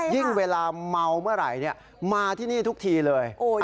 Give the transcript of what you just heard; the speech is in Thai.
เวลาเมาเมื่อไหร่มาที่นี่ทุกทีเลย